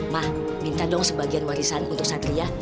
ma minta dong sebagian warisan untuk sadriah